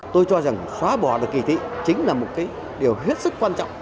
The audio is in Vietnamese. tôi cho rằng xóa bỏ được kỳ thị chính là một cái điều hết sức quan trọng